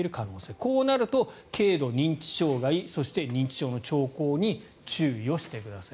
こうなると軽度認知障害そして、認知症の兆候に注意をしてください。